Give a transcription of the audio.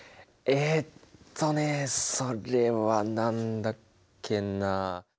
えとねそれは何だっけな。